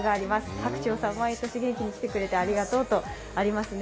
「白鳥さん、毎年、元気に来てくれてありがとう」とありますね。